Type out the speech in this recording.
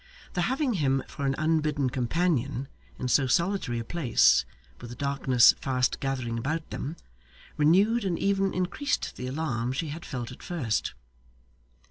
The having him for an unbidden companion in so solitary a place, with the darkness fast gathering about them, renewed and even increased the alarm she had felt at first.